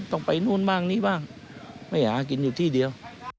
ไปนู่นบ้างนี่บ้างไม่หากินอยู่ที่เดียว